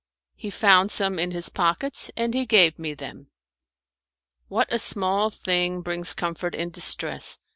He found some in his pockets, and he gave me them. What a small thing brings comfort in distress!